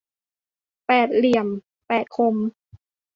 แปดเหลี่ยมแปดคม